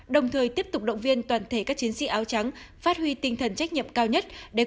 đồng thời tiếp tục động viên toàn thể các chiến sĩ áo trắng phát huy tinh thần trách nhiệm cao nhất